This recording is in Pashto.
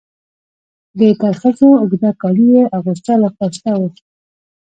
د ترخزو اوږده کالي یې اغوستل او ښایسته وو.